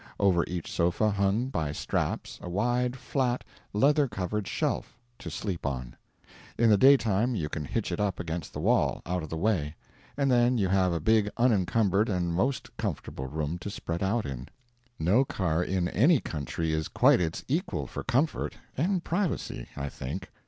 Over each sofa hung, by straps, a wide, flat, leather covered shelf to sleep on. In the daytime you can hitch it up against the wall, out of the way and then you have a big unencumbered and most comfortable room to spread out in. No car in any country is quite its equal for comfort (and privacy) I think.